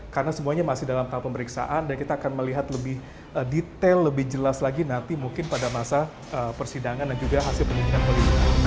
karena semuanya masih dalam tahap pemeriksaan dan kita akan melihat lebih detail lebih jelas lagi nanti mungkin pada masa persidangan dan juga hasil penelitian polri